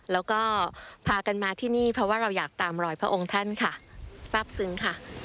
แล้วก็พากันมาที่นี่เพราะว่าเราอยากตามรอยพระองค์ท่านค่ะทราบซึ้งค่ะ